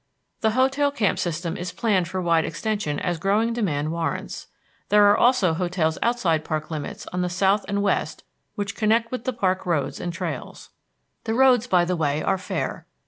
The hotel camp system is planned for wide extension as growing demand warrants. There are also hotels outside park limits on the south and west which connect with the park roads and trails. The roads, by the way, are fair.